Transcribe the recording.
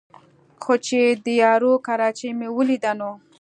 خو چې د یارو کراچۍ مې ولېده نو